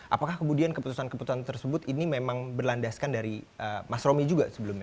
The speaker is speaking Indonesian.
apakah kemudian keputusan keputusan tersebut ini memang berlandaskan dari mas romi juga sebelumnya